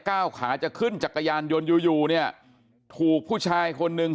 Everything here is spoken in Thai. ก้าวขาจะขึ้นจักรยานยนต์อยู่อยู่เนี่ยถูกผู้ชายคนหนึ่ง